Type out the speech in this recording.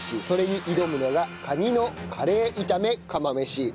それに挑むのがカニのカレー炒め釜飯。